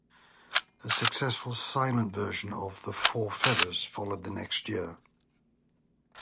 A successful silent version of "The Four Feathers" followed the next year.